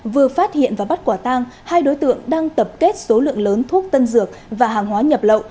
vừa phát hiện và bắt quả tang hai đối tượng đang tập kết số lượng lớn thuốc tân dược và hàng hóa nhập lậu